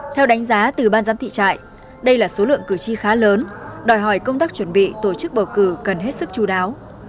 theo đánh giá từ ban giám thị trại đây là số lượng cử tri khá lớn đòi hỏi công tác chuẩn bị tổ chức bầu cử cần hết sức chú đáo